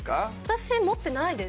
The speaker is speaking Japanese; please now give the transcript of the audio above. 私持ってないです。